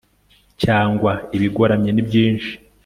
cg ibigoramye nibyinshi